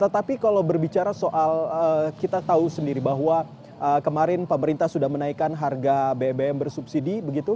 tetapi kalau berbicara soal kita tahu sendiri bahwa kemarin pemerintah sudah menaikkan harga bbm bersubsidi begitu